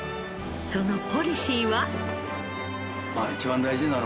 そのポリシーは？